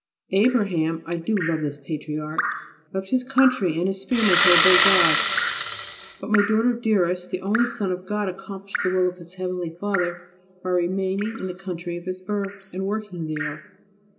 Abraham (I do love this patriarch) left his country and his family to obey God, but, my daughter dearest, the only Son of God accomplished the will of His heavenly Father by remaining in the country of his birth and working there.